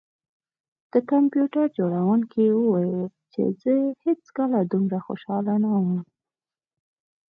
د کمپیوټر جوړونکي وویل چې زه هیڅکله دومره خوشحاله نه وم